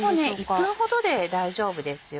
１分ほどで大丈夫ですよ。